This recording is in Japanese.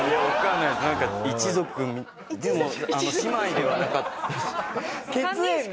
なんか一族でも姉妹ではなかった。